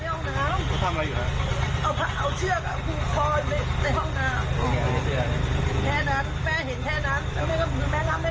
ไปกับงั้นเขาทำอะไร